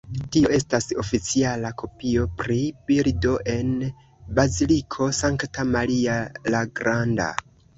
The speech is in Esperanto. Tio estas oficiala kopio pri bildo en Baziliko Sankta Maria la Granda.